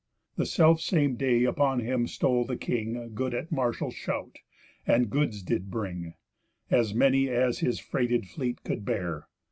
The self same day upon him stole the king Good at a martial shout, and goods did bring, As many as his freighted fleet could bear.